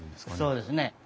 そうですね。